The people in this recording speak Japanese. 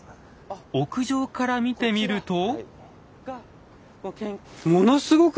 屋上から見てみると？